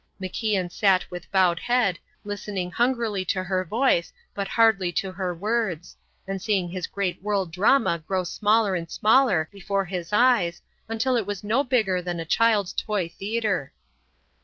MacIan sat with bowed head, listening hungrily to her voice but hardly to her words, and seeing his great world drama grow smaller and smaller before his eyes till it was no bigger than a child's toy theatre.